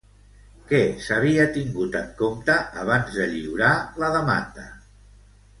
Què s'havia tingut en compte abans de lliurar la demanda?